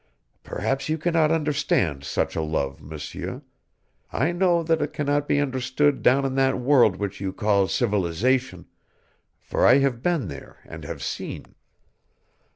Perhaps you can not understand such a love, M'seur; I know that it can not be understood down in that world which you call civilization, for I have been there and have seen.